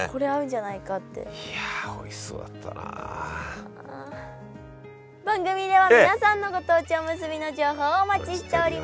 いや番組では皆さんのご当地おむすびの情報をお待ちしております。